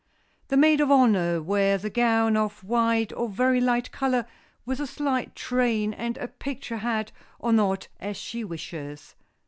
The maid of honor wears a gown of white or very light color, with a slight train, and a picture hat, or not, as she wishes.